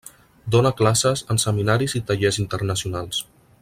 Dóna classes en seminaris i tallers internacionals.